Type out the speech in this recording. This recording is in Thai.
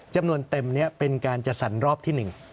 จำนวนเต็มนี้เป็นการจัดสรรรอบที่๑